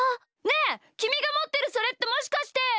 ねえきみがもってるそれってもしかして！